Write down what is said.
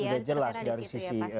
sudah jelas dari sisi